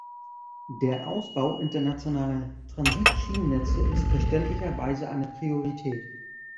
Der Ausbau internationaler Transitschienennetze ist verständlicherweise eine Priorität.